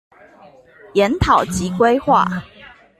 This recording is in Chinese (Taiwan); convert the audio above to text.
研討及規劃